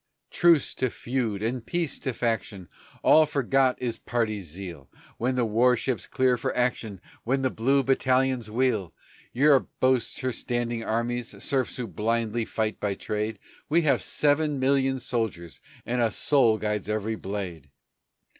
Truce to feud and peace to faction! All forgot is party zeal When the war ships clear for action, When the blue battalions wheel. Europe boasts her standing armies, Serfs who blindly fight by trade; We have seven million soldiers, And a soul guides every blade.